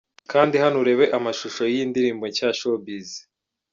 Kanda hano urebe amashusho y'iyi ndirimbo nshya 'Showbiz' .